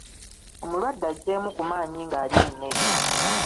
Omulwadde azzeemu ku maanyi agalya emmere.